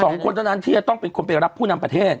สองคนเท่านั้นที่จะต้องเป็นคนไปรับผู้นำประเทศ